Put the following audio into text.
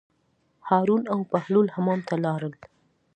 هارون او بهلول حمام ته لاړل.